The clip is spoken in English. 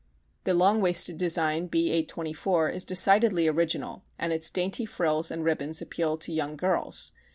The long waisted design B 824 is decidedly original and its dainty frills and ribbons appeal to young girls.